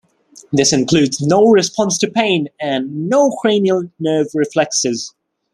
This includes no response to pain and no cranial nerve reflexes.